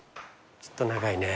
ちょっと長いね。